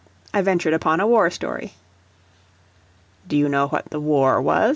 I ventured upon a war story. "Do you know what the war was?"